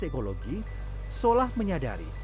ekologi solah menyadari